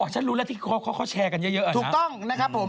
ฉันรู้แล้วที่เขาแชร์กันเยอะถูกต้องนะครับผม